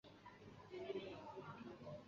以下是香港迪士尼乐园内的节庆活动。